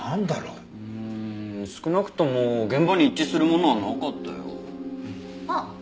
うん少なくとも現場に一致するものはなかったよ。あっ！